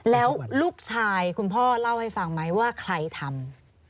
แล้วลูกชายคุณพ่อเล่าให้ฟังไหมว่าใครทำ